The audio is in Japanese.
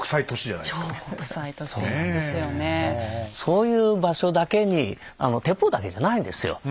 そういう場所だけに鉄砲だけじゃないんですよ。